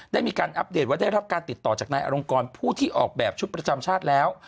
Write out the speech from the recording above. ได้มีการอัปเดตว่าได้รับการติดต่อจากนายอลงกรผู้ที่ออกแบบชุดประจำชาติแล้ว